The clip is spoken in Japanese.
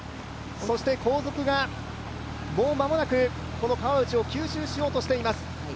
そして後続がもう間もなく、この川内を吸収しようとしています。